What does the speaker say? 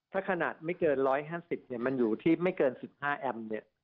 ถ้าขนาดไม่เกิน๑๕๐มันอยู่ที่ไม่เกิน๑๕เอม